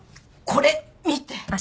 これ見て。